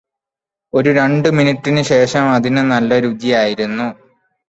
ഒരു രണ്ട് മിനുട്ടിന് ശേഷം അതിന് നല്ല രുചിയായിരുന്നു